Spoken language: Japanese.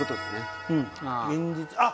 現実あっ！